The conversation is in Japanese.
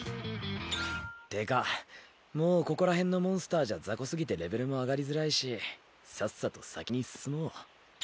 ってかもうここら辺のモンスターじゃザコすぎてレベルも上がりづらいしさっさと先に進もう。